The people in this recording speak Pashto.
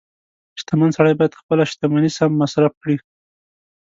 • شتمن سړی باید خپله شتمني سم مصرف کړي.